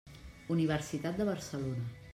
Universitat de Barcelona.